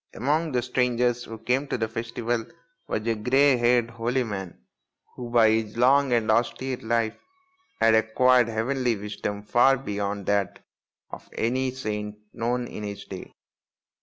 Among the . strangers who came to the festival was a grey haired holy man, who, by his long and austere life, had acquired heavenly wisdom far beyond T 59 i6o THE INDIAN STORY BOOK that of any saint known in his day.